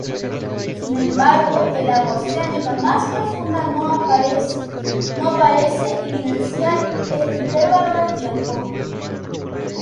Sin embargo, el agua oceánica más profunda no parece evidenciar este intervalo de tiempo.